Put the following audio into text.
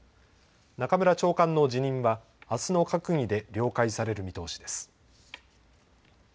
中村長官の辞任はあすの閣議で了解される見通しです。